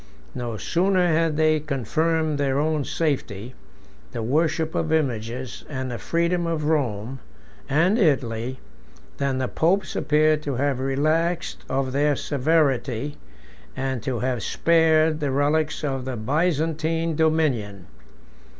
No sooner had they confirmed their own safety, the worship of images, and the freedom of Rome and Italy, than the popes appear to have relaxed of their severity, and to have spared the relics of the Byzantine dominion.